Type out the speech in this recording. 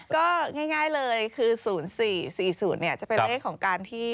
ก็ง่ายเลยคือ๐๔๔๐จะเป็นเลขของการที่